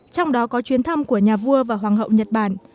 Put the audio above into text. trong đó có chuyến thăm của nhà vua và hoàng hậu nhật bản